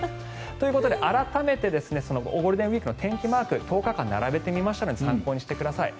ということで改めてゴールデンウィークの天気マーク１０日間並べてみましたので参考にしてください。